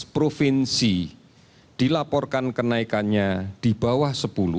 tujuh belas provinsi dilaporkan kenaikannya di bawah sepuluh